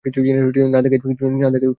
কিছু জিনিস না দেখাই উওম।